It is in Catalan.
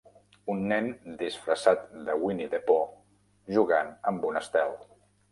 Un nen disfressat de Winnie de Pooh jugant amb un estel.